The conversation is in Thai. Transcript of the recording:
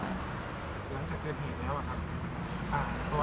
อเจมส์กลงจากเกิดเห็นแล้วอ่ะค่ะเพราะไอ้ก็มีการคิดออกมาหรือเปล่า